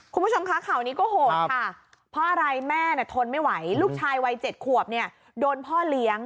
คุณผู้ชมคะข่าวนี้ก็โหดค่ะเพราะอะไรแม่น่ะทนไม่ไหวลูกชายวัย๗ขวบเนี่ยโดนพ่อเลี้ยง